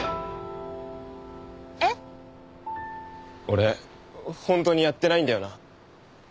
俺本当にやってないんだよな？